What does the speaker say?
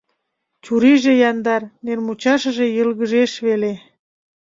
Чурийже яндар, нер мучашыже йылгыжеш веле.